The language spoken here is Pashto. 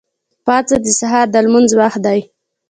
پاڅه! د سهار د لمونځ وخت دی.